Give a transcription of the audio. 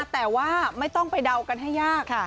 แต่ว่าไม่ต้องไปเดากันให้ยาก